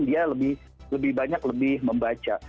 dia lebih banyak lebih membaca